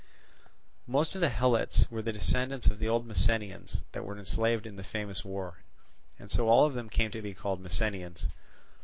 Most of the Helots were the descendants of the old Messenians that were enslaved in the famous war; and so all of them came to be called Messenians.